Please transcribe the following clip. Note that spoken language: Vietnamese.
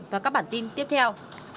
và các bản tin tiếp theo